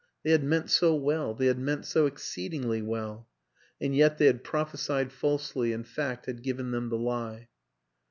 They had meant so well, they had meant so exceedingly well and yet they had prophesied falsely and fact had given them the lie.